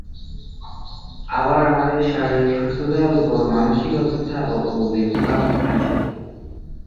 আবার আমাদের শারীরিক সুস্থতার উপর মানসিক অবস্থা ও অগ্নির প্রভাবও আছে।